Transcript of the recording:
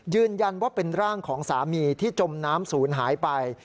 ยืนยันว่าเป็นร่างของสามีที่จมน้ำศูนย์หายไป